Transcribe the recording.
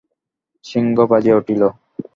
শৃঙ্গ বাজিয়া উঠিল।